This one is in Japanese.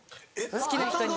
好きな人に。